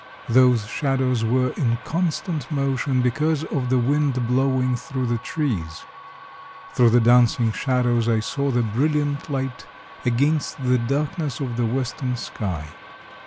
Those shadows were in constant motion because of the wind blowing through the trees. Through the dancing shadows I saw the brilliant light against the darkness of the western sky.